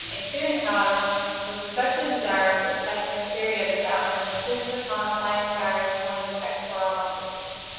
A student, however, was especially desirous of testing a theory of his own, and insisted upon applying the battery to one of the pectoral muscles.